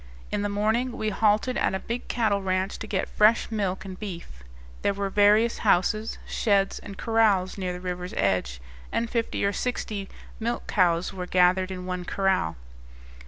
In the morning we halted at a big cattle ranch to get fresh milk and beef. There were various houses, sheds, and corrals near the river's edge, and fifty or sixty milch cows were gathered in one corral.